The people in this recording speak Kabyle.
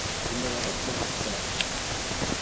Zemreɣ ad tt-ḍseɣ?